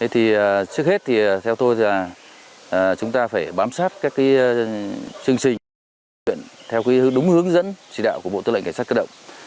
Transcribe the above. trước hết theo tôi là chúng ta phải bám sát các chương trình theo đúng hướng dẫn chỉ đạo của bộ tư lệnh cảnh sát cơ động